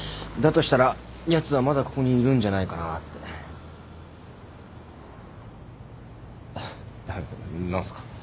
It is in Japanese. だとしたらやつはまだここにいるんじゃないかなって。